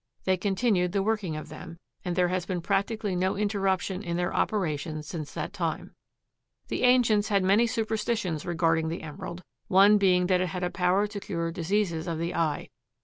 They continued the working of them, and there has been practically no interruption in their operation since that time. The ancients had many superstitions regarding the emerald, one being that it had a power to cure diseases of the eye.